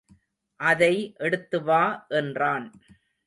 அதை எடுத்துவா என்றான்.